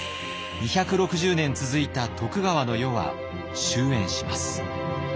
２６０年続いた徳川の世は終えんします。